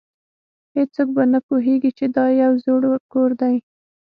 هیڅوک به نه پوهیږي چې دا یو زوړ کور دی